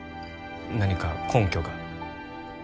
何か根拠が？